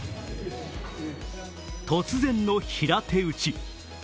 突然の平手打ち。